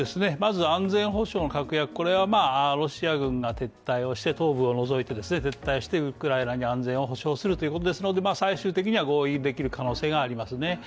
まず安全保障の確約、これはロシア軍が東部を除いて撤退してウクライナに安全を保障するということですので最終的には合意できる可能性がありますね。